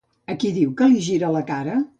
A qui diu que li gira la cara?